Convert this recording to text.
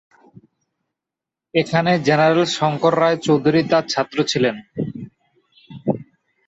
এখানে জেনারেল শঙ্কর রায় চৌধুরী তার ছাত্র ছিলেন।